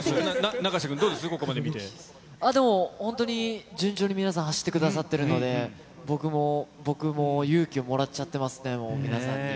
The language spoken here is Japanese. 永瀬君、どうです、でも、本当に、順調に皆さん、走ってくださってるので、僕も、僕も勇気をもらっちゃってますね、皆さんに。